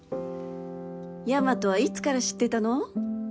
大和はいつから知ってたの？